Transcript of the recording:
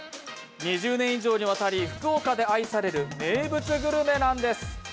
２０年以上にわたり福岡で愛される名物グルメなんです。